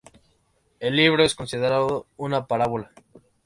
El libro es considerado una parábola.